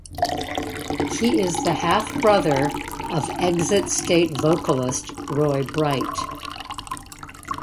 He is the half-brother of Exit State vocalist Roy Bright.